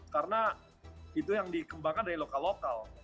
karena itu yang dikembangkan dari lokal lokal